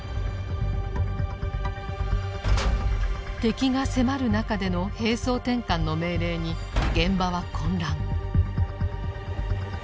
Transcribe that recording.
敵が迫る中での「兵装転換」の命令に現場は混乱。